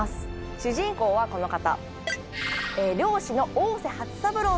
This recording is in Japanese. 主人公はこの方。